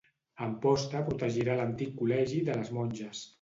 Amposta protegirà l'antic col·legi de les monges.